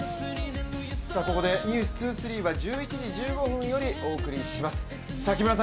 ここで「ｎｅｗｓ２３」は１１時１５分よりお送りします。